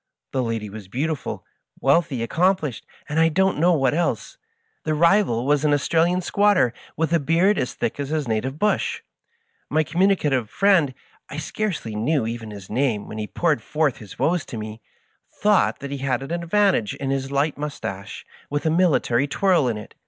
The lady was beautiful, wealthy, accomplished, and I don't know what else. The rival was an Australian squatter, with a beard as thick as his native bush. My communicative friend — ^I scarcely knew even his name when he poured forth his woes to mie — thought that he had an advantage in his light mustache, with a military twirl in it.